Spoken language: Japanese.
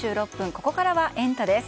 ここからはエンタ！です。